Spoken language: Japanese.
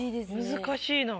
難しいな。